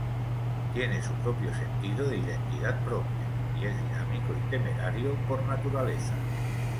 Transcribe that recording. Tiene su propio sentido de identidad propia, y es dinámico y temerario por naturaleza.